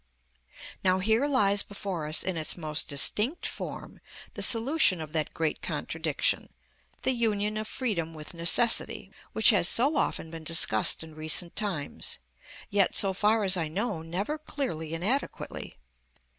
Now here lies before us in its most distinct form the solution of that great contradiction, the union of freedom with necessity, which has so often been discussed in recent times, yet, so far as I know, never clearly and adequately.